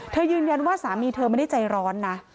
ยืนยันว่าสามีเธอไม่ได้ใจร้อนนะ